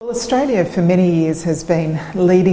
australia selama beberapa tahun telah menjelaskan